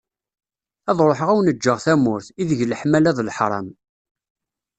Ad ruḥeγ ad awen-ğğeγ tamurt, ideg leḥmala d leḥram.